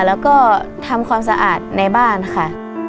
แล้วก็ทำความสะอาดในบ้านค่ะ